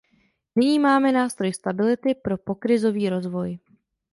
Nyní máme nástroj stability pro pokrizový rozvoj.